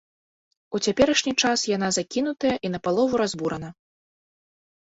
У цяперашні час яна закінутая і напалову разбурана.